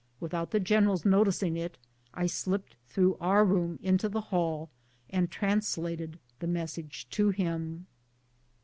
Without the general's noticing it, I slipped through our room into the hall and translated the mes sage to him.